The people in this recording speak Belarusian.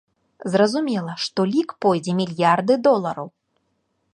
Зразумела, што лік пойдзе мільярды долараў!